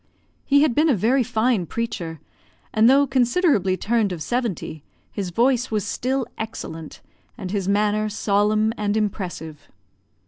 He had been a very fine preacher, and though considerably turned of seventy, his voice was still excellent, and his manner solemn and impressive.